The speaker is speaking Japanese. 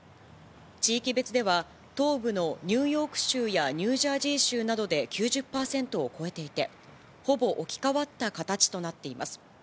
地域別では、東部のニューヨーク州やニュージャージー州などで９０％を超えていて、ほぼ置き換わった形となっています。